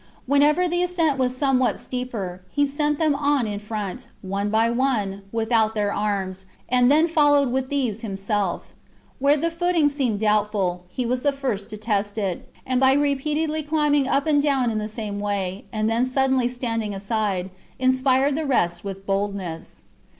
Whenever the ascent was somewhat steeper, he sent them on in front, one by one, without their arms, and then followed with these himself Where the footing seemed doubtful, he was the first to test it, and by repeatedly climbing up and down in the same way, and then suddenly standing aside, inspired the rest with boldness.